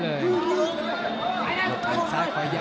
บรรยากาศมีหน้าบรรยากาศดีมากกว่านี้เพชรปุญญา